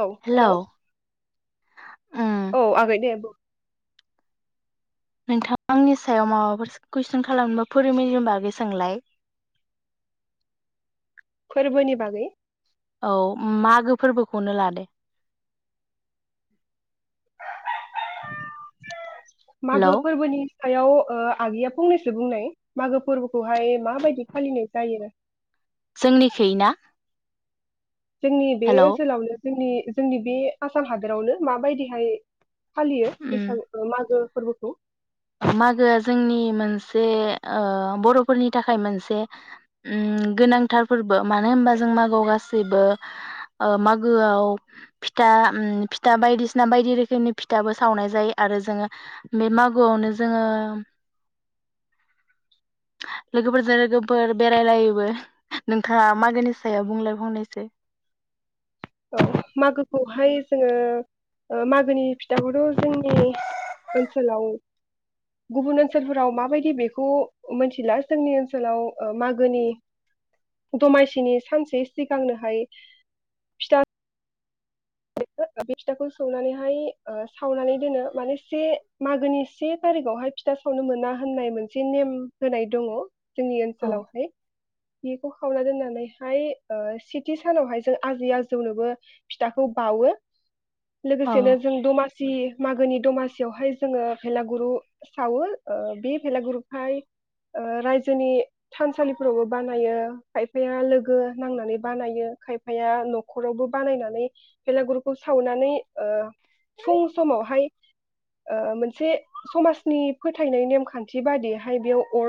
औ hello hello उम औ आगै दे। नोंथांआ आंनि सायाव माबाफोर कुइसन खालामबा फोरबानि बागै सोलाय। फोररबोनि बागै? औ मागो फोरबोखौनो लादो। हेलौ मागो फोरबोनि आखायाव आगैया फंनैसो बुंनाय मागो फोरबोखौहाय माबायदि फालिनाय जायो। जोंनिख ना? जोंनि बे हेलौ ओनसोलावनो जोंनि जोंनि बे आसाम हादोरावनो माबायदिहाय फालियो उम बैसागु मागो। फोरबोखौ मागोआ जोंनि मोनसे ओ बर'फोरनि थाखाय मोनसे ओम गोनांथार फोरबो मानो होनबा जों मागोआव गासैबो मागोआव ओम फिथा फिथा बायदिसिना बायदि रोखोमनि फिथाबो सावनाय जायो आरो जोङो बे मागो गोआवनो जोङो लोगोफोरजों लोगोफोर बेरायलायोबो नोंथाङा मागोनि सायाव बुंलायफावनैसो औ मागोखौहाय जोङो मागोनि फिथाखौथ' जोंनि ओनसोलाव गुबुन ओनसोलफोराव माबायदि बेखौ मिथिला जोंनि ओनसोलाव मागोनि दमासिनि सानसे सिगांनोहाय फिथा बे फिथाखौ सौनानैहाय ओ सावनानै दोनो माने से मागोनि से थारिखावहाय फिथा सावनो मोना होननाय मोनसे नेम होनाय दङ। जोंनि औ ओनसोलावहाय। खौ खावना दोननानैहाय सेथि सानावहाय जों आजै आजौनोबो फिथा खौ बावयो। औ लोगोसेनो जों दमास जि मागोनि दमासियावहाय जोङो भेलागुरु सावो बे ओ भेलागुरुहाय ओ रायजोनि थानसालिफोरावबो बानायो खायफाया लोगो नांनानै बानायो खायफाया न'खरावबो बानायनानै भेला गुरु खौ सावनानै ओ फुं समावहाय। ओ मोनसे समाजनि फोथायनाय नेमखान्थि बादियैहाय बेयाव अर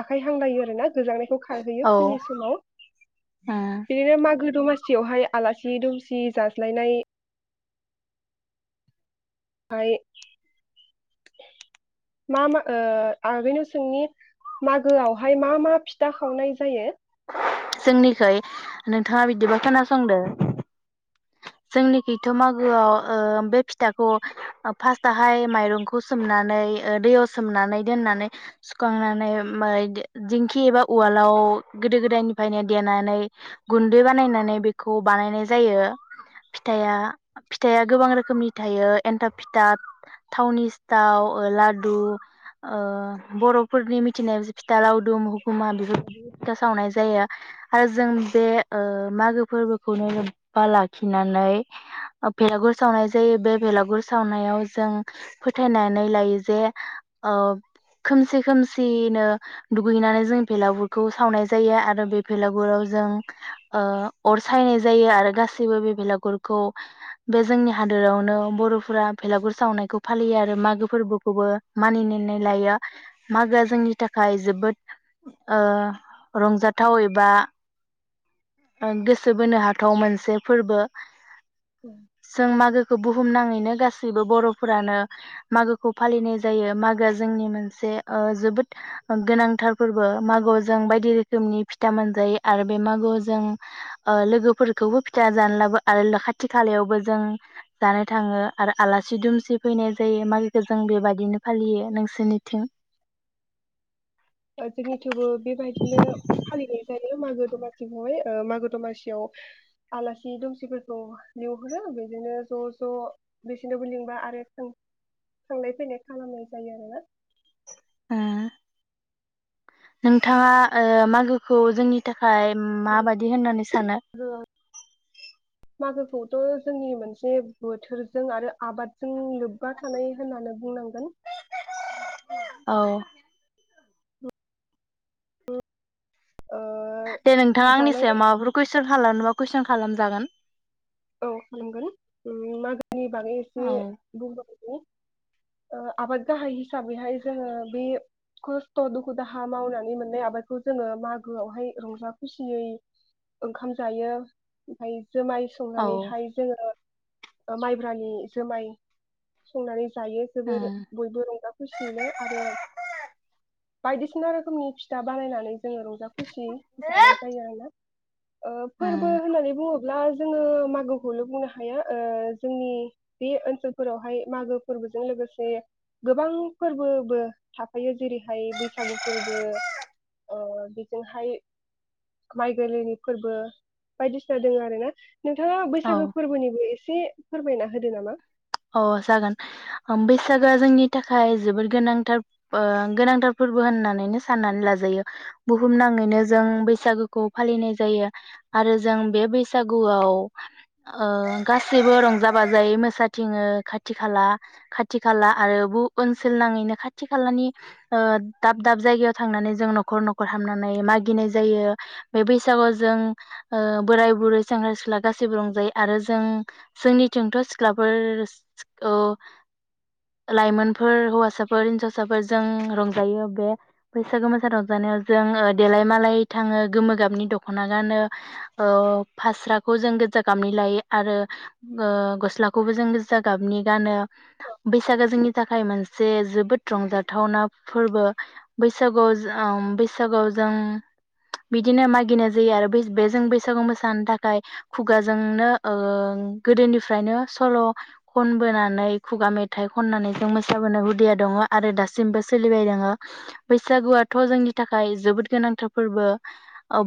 आखाइ हांलायो आरो ना गोजांनायखौ खारहैयो औ फुंनि समाव उम बिदिनो मागो दमासि जवहाय आलासि दसि दुमसि जाज्लायनाय ओमाय मा मा ओ आरबनाव सोंनि मागोआवहाय मा मा फिथा खावनाय जायो। जोंनिखै नोंथाङा बिदिबा खोनासंदो जोंनिखैथ' मागोआव ओ बे फिथाखौ फार्स्टआवहाय माइरंखौ सोमनानै दैयाव सोमनानै दोननानै सुखांनानै दिंखि एबा उवालाव गोदो गोदायनिफ्रायनो देनानै गुन्दै बानायनानै बेखौ बानायनाय जायो फिथाइआ फिथाइया गोबां रोखोमनि थायो एन्थाब फिथा थावनि सिथाव लादु ओ बर'फोरनि मिथिनाय फिथा लावदुम हुखुमा बेफोर थि सावनाय जायो आरो जों बे मागो फोरबोखौनो लोब्बा लाखिनानै बेलागुर सावनाय जायो बे बेलागुर सावनायाव जों फोथायनानै लायो जे खोमसि खोमसिनो दुगैनानै जों बेलागुरखौ सावनाय जायो आरो बे भेलागुराव जों ओ अर सायनाय जायो आरो गासैबो बे भेलागुरखौ बे जोंनि हादोरावनो बर'फोरा भेलागुर सावनायखौ फालियो आरो मागो फोरबोखौबो मानिनानै लायो मागोआ जोंनि थाखाय जोबोद ओ रंजाथाव एबा गोसो बोनो हाथाव मोनसे फोरबो जों मागोखौ बुहुम बुहुमनाङैनो गासैबो बर'फोरानो मागोखौ फालिनाय जायो मागोआ जोंनि मोनसे ओ जोबोद गोनांथार फोरबो मागोआव जों बायदि रोखोमनि फिथा मोनजायो आरो बे मागोआव जों ओ लोगोफोरखौबो फिथा जानलाबो आरो खाथि खालायावबो जों जानो थाङो आरो आलासि दुमसि फैनाय जायो मागोखौ जों बेबायदिनो फालियो नोंसोरनिथिं? ओ जोंनि थिबो बे बायदिनो फालिनाय जायो। बे मागो दमासिखौहाय मागो दमासियाव आलासि दुसिफोरखौ लिंहरो बिदिनो ज' ज' बेसिनावबो लिंबा आरो थांलाय फैलाय खालामनाय जायो आरोना। ओ नोंथाङा ओ मागोखौ जोंनि थाखाय माबायदि होननानै सान सानो? मागोखौथ' जोंनि मोनसे बोथोरजों आरो आबादजों लोब्बा थानाय होननानो बुंनांगोन। औ। ओ दे नोंथाङा आंनि जानाय सायाव माबाफोर कुइसन खालामनोबा कुइसन खालामजागोन। औ खालामगोन ओम मागोनि बागै औ एसे बुंबावदोनि। ओ आबाद गाहाय हिसाबैहाय जोङो बे खस्थ' दुखु दाहा मावनानै मोननाय आबादखौ जोङो मागोआवहाय रंजा खुसियै ओंखाम जायो, ओमफ्राय जोमाय औ संनानैहाय जोङो ओ माइब्रानि जोमाय संनानै जायो जोबोर उम बयबो रंजा खुसियैनो आरो बायदिसिना रोखोमनि फिथा बानायनानै जोङो रंजा खुसिय जानाय जायो आरोना। ओ फोरबो उम होननानै बुङो ब्ला जोङो मागोखौनो बुंनो हायो ओ जोंनि बे ओनसोलफोरावहाय मागो फोरबोजों लोगोसे गोबां फोरबोबो थाफायो जेरैहाय बैसागु फोरबो ओ बेजोंहाय माइ गोरलैनि फोरबो बायदिसिना दोङो आरोना। नोंथाङा औ बैसागो फोरबोनिबो एसे से फोरमायना होदो नामा। अ जागोन बैसागोआ जोंनि थाखाय जोबोद गोनांथार ओ गोनांथार फोरबो होननानैनो साननानै लाजायो। बुहुमनाङैनो जों बैसागुखौ फालिनाय जायो आरो जों बे बैसागुआव ओ गासैबो रंजा बाजायै मोसा थिङो खाथि खाला खाथि खाला आरो बु ओनसोल नाङैनो खाथि खालानि ओ दाब दाब जायगायाव थांनानै जों न'खर न'खर हामनानै मागिनाय जायो। बे बैसागुआव जों ओ बोराय बुरै सेंग्रा सिख्ला गासैबो रंजायो आरो जों जोंनिथिंथ' सिख्ला फोर औ लाइमोन फोर हौसाफोर हिनजावसाफोर जों रंजायो बे बैसागु मोसा रंजानायाव जों ओ देलाय मालाय थाङो गोमो गाबनि दख'ना गानो ओ फास्राखौ जों गोजा गाबनि लायो आरो ओ गस्ला खौबो जों गोजा गाबनि गानो। बैसागोआ जोंनि थाखाय मोनसे जोबोद रंजाथावना फोरबो। बैसागुआव जोओम बैसागुआव जों बिदिनो मागिनाय जायो आरो बै बे जों बैसागु मोसानो थाखाय खुगाजोंनो ओ गोदोनिफ्रायनो सल' खनबोनानै खुगा मेथाइ खननानै जों मोसाबोनो हुदिया दङ आरो दासिमबो सोलिबाय दोङो। बैसागुआथ' जोंनि थाखाय जोबोद गोनांथार फोरबो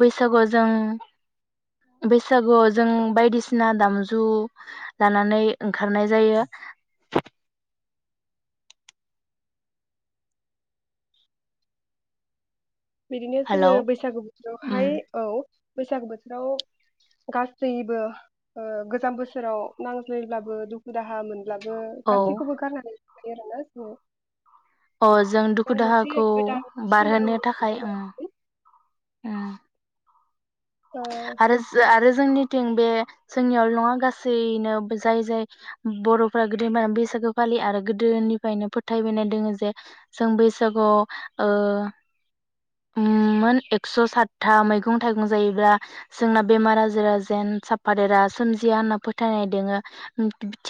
बैसागुआव जों बैसागुआव जों बायदिसिना दामजु लानानै ओंखारनाय जायो। बिदिनो जोङो हेलौ बैसागु उम बोथोरावहाय औ बैसागो बोथोराव गासैबो ओ गोजाम बोसोराव नांज्लायब्लाबो दुखु दाहा मोन ब्लाबो औ गासैखौबो गारनानै रंजायो आरो ना जोङो। अ जों दुखु बे मोनसे दाहाखौ गोदान सिमां बारहोनो थाखाय जे खाय लानानै ओं। ओ ओ आरो जोंनिथिं बे जोंनियावल नङा गासैनो बो जाय जाय बरफ्रा गोदोनिफ्राय बैसागो फालियो आरो गोदोनिफ्रायनो फोथायबोनाय दङो जे जों बैसागुआव मोन ओ एक्स सातथा मैगं थाइगं जायोब्ला जोंना बेमार आजारा जेन साफादेरा सोमजिया होनना फोथायनाय दोङो।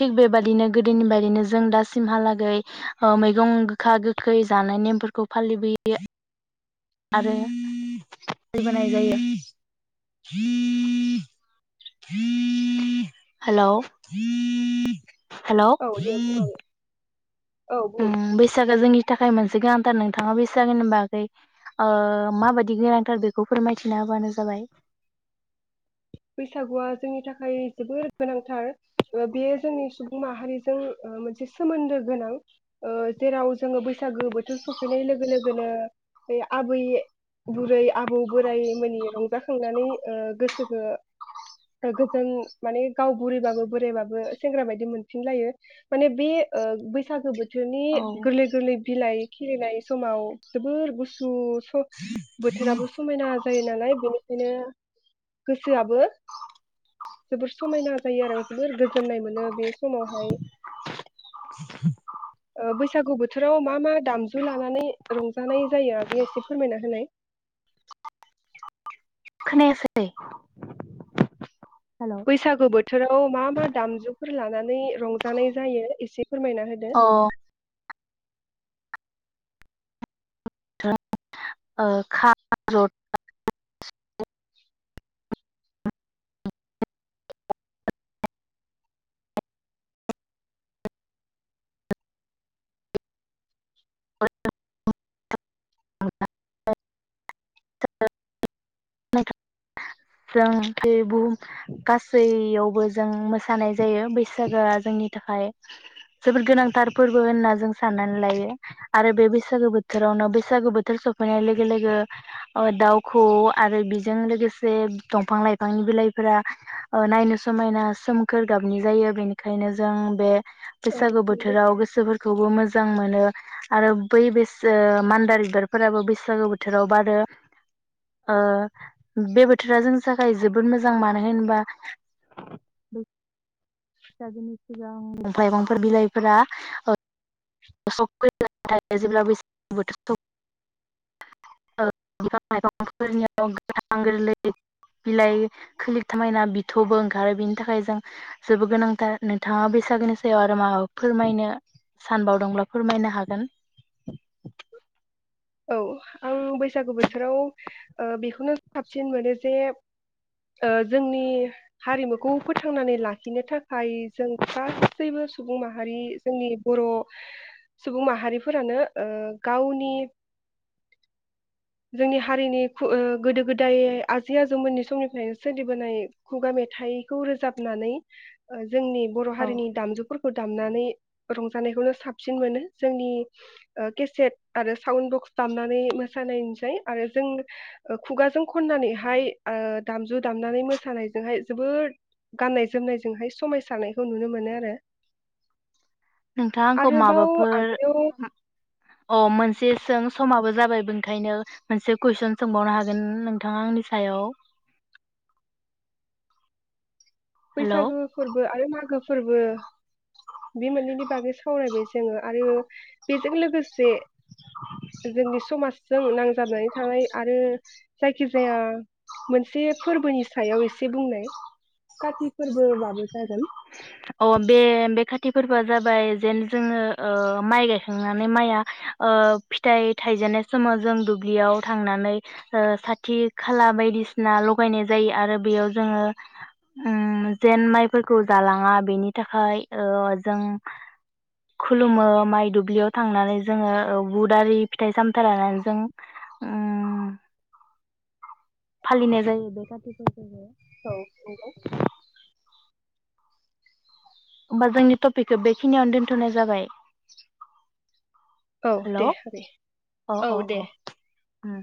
थिग बेबादिनो गोदोनि बायदिनो जों दासिमहालागै मैगं गोखा गोखै जानाय नेमफोरखौ फालिबोयो। आरो [unintelligible] जायो हेलौ हेलौ औ दे बुंनानै औ ओ बुं बैसागो जोंनि थाखाय मोनसे गोनांथार नोंथाङा बैसागोनि बागै ओ माबायदि गोनांथार बेखौ फोरमायथिना होबानो जाबाय। बैसागुआ जोंनि थाखाय जोबोर गोनांथार ओ बेयो जोंनि सुबुं माहारिजों ओ मोनसे सोमोन्दो गोनां ओ जेराव जोंङो बैसागो बोथोर सफैनाय लोगो लोगोनो बे आबै बुरै आबौ बोराय मैनि रंजाखांनानै गोसो [unintelligible] गोन माने गाव बुरैबाबो बोरायबाबो सेंग्रा बायदि मोनफिनलायो माने बे ओ बैसागो बो बिनि औ गोरलै गोरलै बिलाइ खिलिनाय समाव जोबोर गुसु बोथोराबो समायना जायो नालाय बेनिखायनो गोसोबो जोबोर समायना जायो आरो जोबोर गोजोननाय मोनो बे समावहाय ओ बै बैसागु बोथोराव मा मा दामजु लानानै रंजानाय जायो आगैयाव एसे फोरमायना होनाय खोनायाखै। बैसागु बोथोराव मा मा दामजुफोर लानानै रंजानाय जायो एसे फोरमायना होदो ओ ओ खाम जथा सिफुं [unintelligible] जों बे बुहुम गासैयावबो जों मोसानाय जायो बैसागोआ जोंनि थाखाय जोबोद गोनांथार फोरबो होनना जों साननानै लायो। आरो बे बैसागो बोथोरावनो बैसागो बोथोर सफैनाय लोगो लोगो ओ दाउखौ आरो बिजों लोगोसे दंफां लाइफांनि बिलाइफोरा नायनो समायना सोमखोर गाबनि जायो बेनिखायनो जों बे औ बैसागु नंगौ बोथोराव गोसोफोरखौबो मोजां मोजां मोनो आरो बै मान्दार बिबारफोराबो बैसागो बोथोराव बारो ओ बे बोथोरा जोंनि थाखाय जोबोद मोजां मानो होनोबा फिसाजोनि सिगां लाइफांफोर बिलाइफोरा स जेब्ला बैसाग बोथोर बिफां लाइफांफोरनियाव गोथां गोरलै बिलाइ खलि थामायना बिथबो ओंखारो बिनि थाखाय जों जोबोद गोनांथार नोंथाङा बैसागोनि सायाव आरो माबा फोरमायनो सानबाव दं फोरमायनो हागोन औ आं बैसागु बोथोराव ओ बेखौनो साबसिन मोनो जे जोंनि हारिमुखौ फोथांनानै लाखिनो थाखाय जों गासैबो सुबुं माहारि जोंनि बर सुबुं माहारिफोरानो ओ गावनि जोंनि हारिनि ओ गोदो गोदाय आजै आजौमोननि समनिफ्रायनो सोलिबोनाय खुगा मेथाइखौ रोजाबनानै जोंनि बर' औ हारिनि दामजुफोरखौ दाम नानो रंजानायखौनो साबसिन मोनो जोंनि ओ केसेट आरो साउन बक्स दामनानै मोसानाय आरो जों खुगाजों खननानैहाय ओ दामजु दामनानै मोसानायजोंहाय जोबोर गाननाय जोमनायजोंहाय समायसारनायखौ नुनो मोनो आरो नोंथां आंखौ आरोबाव माबाफोर आगोलाव अ मोनसे सों समाबो जाबाय ओंखायनो मोनसे कुइसन सोंबावनो हागोन नोंथाङा आंनि सायाव हेलौ बैसागो फोरबो आरो मागो फोरबो बे मोननैनि बागै सावरायबाय जोङो आरो जों लोगोसे जोंनि समाजजों नांजाबनानै थानाय आरो जायखिजाया मोनसे फोरबोनि सायाव एसे बुंनाय काति फोरबोबाबो जागोन अ बे बे खाथि फोरबोआ जाबाय जेन जोङो ओ माइ गायखांनानै माइआ ओ फिथाइ थाइजेननाय समाव जों दुब्लियाव थांनानै ओ साथि खाला बायदिसिना लगायनाय जायो आरो बेयाव जोङो ओम जेन माइफोरखौ जालां थाङा बेनि थाखाय ओ जों खुलुमो माइ दुब्लियाव थांनानै जोङो बुद आरि फिथाइ सामथाइ लानानै जों फालिनाय जायो बे काति फोरबोखौ औ बुं होमबा जोंनि टपिकखौ बेखिनियावनो दोनथ'नाय जाबाय औ हेल' दे अ औ अ दे अ उम